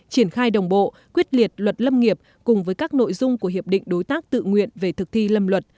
triển khai đồng bộ quyết liệt luật lâm nghiệp cùng với các nội dung của hiệp định đối tác tự nguyện về thực thi lâm luật